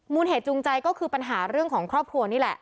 เหตุจูงใจก็คือปัญหาเรื่องของครอบครัวนี่แหละ